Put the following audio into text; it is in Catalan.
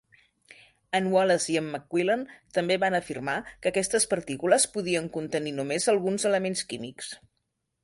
En Wallace i en McQuillan també van afirmar que aquestes partícules podien contenir només alguns elements químics.